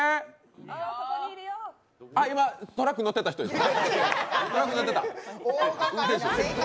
あ、今トラックに乗ってた人でしょ？